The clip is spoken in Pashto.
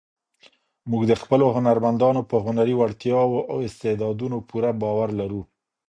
موږ د خپلو هنرمندانو په هنري وړتیاوو او استعدادونو پوره باور لرو.